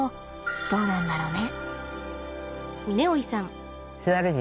どうなんだろうね。